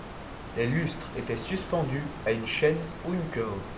Les lustres étaient suspendus à une chaîne ou une corde.